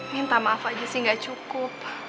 minta maaf aja sih nggak cukup